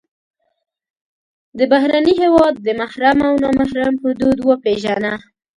د بهرني هېواد د محرم او نا محرم حدود وپېژنه.